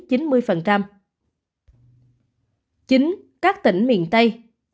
chín các tỉnh miền tây